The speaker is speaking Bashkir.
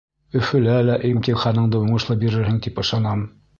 Өфөлә лә имтиханыңды уңышлы бирерһең тип ышанам...